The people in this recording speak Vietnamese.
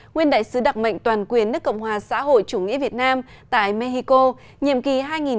nguyên đại sứ đặc mệnh toàn quyền nước cộng hòa xã hội chủ nghĩa việt nam tại mexico nhiệm kỳ hai nghìn một mươi năm hai nghìn hai mươi